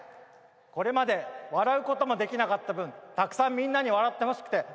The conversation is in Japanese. これまで笑うこともできなかった分たくさんみんなに笑ってほしくて漫才やりました。